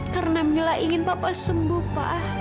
karena mila ingin papa sembuh pak